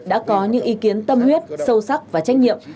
đã có những ý kiến tâm huyết sâu sắc và trách nhiệm